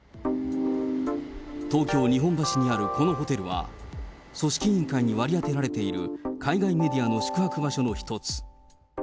東京・日本橋にある、このホテルは、組織委員会に割り当てられている海外メディアの宿泊場所の一つ。